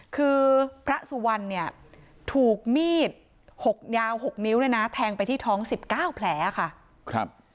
คือพระสุวรรณเนี่ยถูกมีดยาว๖นิ้วแทงไปที่ท้อง๑๙แผลค่ะ